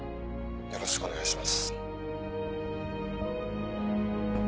よろしくお願いします。